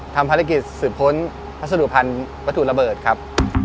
ทำภารกิจสืบค้นพัสดุพันธุ์วัตถุระเบิดครับ